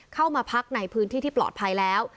เข้ามาพักในพื้นที่ที่ปลอดภัยแล้ว